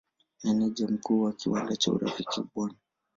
Meneja Mkuu wa kiwanda cha Urafiki Bw.